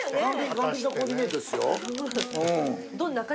完璧なコーディネートっすよ。